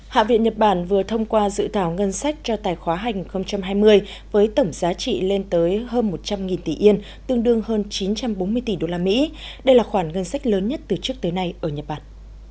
hạ viện nhật bản vừa thông qua dự thảo ngân sách cho tài khoá hành hai mươi với tổng giá trị lên tới hơn một trăm linh tỷ yên tương đương hơn chín trăm bốn mươi tỷ usd đây là khoản ngân sách lớn nhất từ trước tới nay ở nhật bản